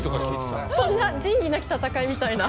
そんな「仁義なき戦い」みたいな。